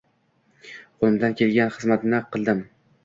Qo‘limdan kelg‘an xizmatimdi qildim